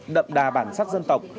đậm đà bản sắc dân tộc